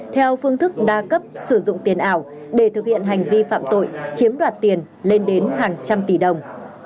theo phương thức đa cấp sử dụng tiền ảo để thực hiện hành vi phạm tội chiếm đoạt tiền lên đến hàng trăm tỷ đồng